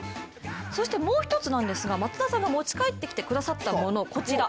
もう一つなんですが松田さんが持ち帰ってきてくださったものこちら。